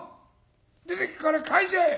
出ていくから返せ！